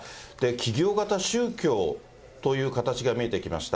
企業型宗教という形が見えてきました。